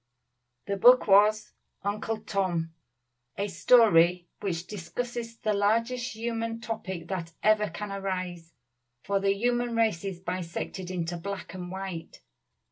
The book was "Uncle Tom," a story which discusses the largest human topic that ever can arise; for the human race is bisected into black and white.